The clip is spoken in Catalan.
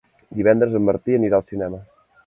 Divendres en Martí anirà al cinema.